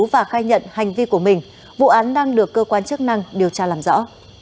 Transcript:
và khai nhận hành vi của mình vụ án đang được cơ quan chức năng điều tra làm rõ